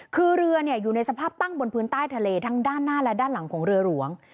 คือเรืออยู่ในสภาพตั้งบนพื้นใต้ทะเลทั้งด้านหน้าและด้านหลังของเรือหลวง